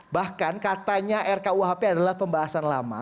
bahkan katanya rkuhp adalah pembahasan lama